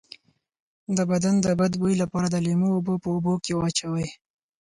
د بدن د بد بوی لپاره د لیمو اوبه په اوبو کې واچوئ